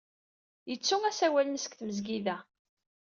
Yettu asawal-nnes deg tmesgida.